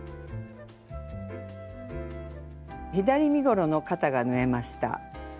左身ごろの肩が縫えました。